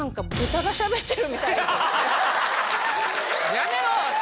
やめろ！